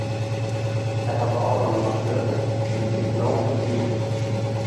Hy hat de ôfrûne nacht wurke en besiket no om te sliepen.